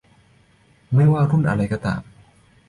ไม่ว่ารุ่นอะไรก็ตาม